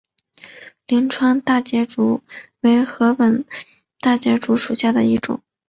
灵川大节竹为禾本科大节竹属下的一个种。